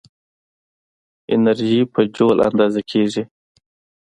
انرژي په جول اندازه کېږي.